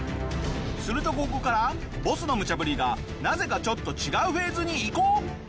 するとここからボスの無茶ぶりがなぜかちょっと違うフェーズに移行。